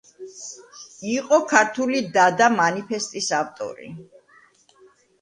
იყო ქართული დადა მანიფესტის ავტორი.